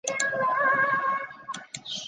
总部设于澳洲布里斯本。